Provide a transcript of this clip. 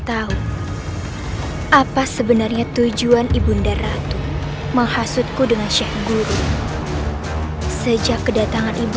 tahu apa sebenarnya tujuan ibunda ratu menghasutku dengan sheikh guru sejak kedatangan ibu